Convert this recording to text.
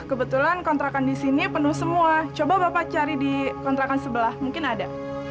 kebetulan kontrakan di sini penuh semua coba bapak cari di kontrakan sebelah mungkin ada